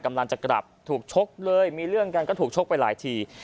กำลังจะกลับถูกชกเลยมีเรื่องกันก็ถูกชกไปหลายที